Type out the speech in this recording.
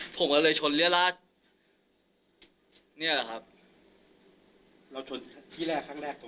ผมก็เลยชนเรียราชเนี่ยแหละครับเราชนที่แรกครั้งแรกตรง